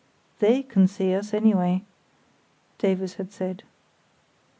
"They can see us anyway," Davies had said.